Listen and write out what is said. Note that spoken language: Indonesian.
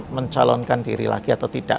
mencalonkan diri lagi atau tidak